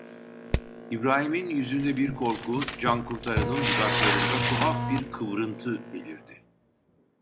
İbrahim'in yüzünde bir korku, Cankurtaranın dudaklarında tuhaf bir kıvrıntı belirdi: